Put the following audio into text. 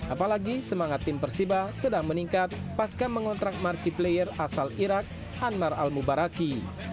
apalagi semangat tim persiba sedang meningkat pasca mengontrak markipleir asal irak anmar al mubaraki